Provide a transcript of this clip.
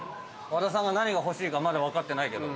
和田さんが何が欲しいかまだ分かってないけど。